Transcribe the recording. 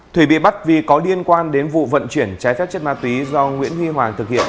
thủy bị bắt vì có liên quan đến vụ vận chuyển trái phép chất ma túy do nguyễn huy hoàng thực hiện